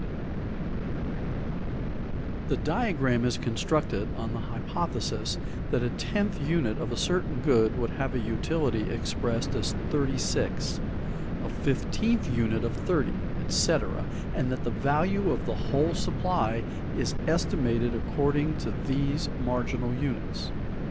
[Illustration: Scale of Supply] The diagram is constructed on the hypothesis that a tenth unit of a certain good would have a utility expressed as 36; a fifteenth unit of 30, etc., and that the value of the whole supply is estimated according to these marginal units.